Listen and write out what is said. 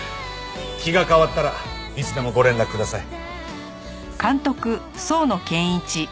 気が変わったらいつでもご連絡ください。